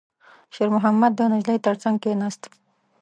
شېرمحمد د نجلۍ تر څنګ کېناست.